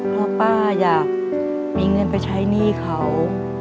เพราะป้าอยากมีเงินไปใช้หนี้เขา